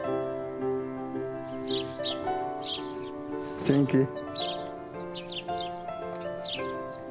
スティンキー！